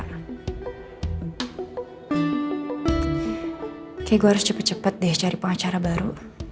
kayaknya gue harus cepet cepet deh cari pengacara baru